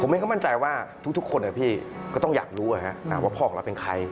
เองก็มั่นใจว่าทุกคนพี่ก็ต้องอยากรู้ว่าพ่อของเราเป็นใคร